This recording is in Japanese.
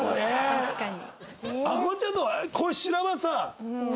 確かに。